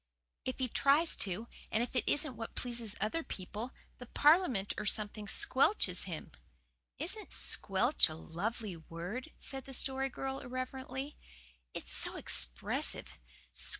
"If he tries to, and if it isn't what pleases other people, the Parliament or something squelches him." "Isn't 'squelch' a lovely word?" said the Story Girl irrelevantly. "It's so expressive.